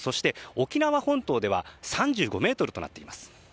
沖縄本島では３５メートルとなっています。